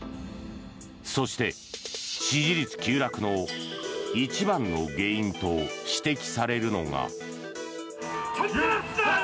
そして、支持率急落の一番の原因と指摘されるのが。